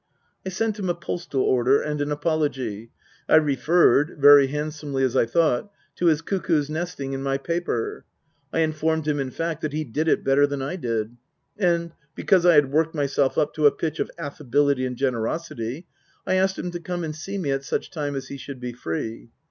I sent him a postal order and an apology. I referred, very handsomely as I thought, to his cuckoo's nesting in my paper. (I informed him, in fact, that he " did it " better than I did) ; and because I had worked myself up to a pitch of affability and generosity, I asked him to come and see me at such time as he should be free.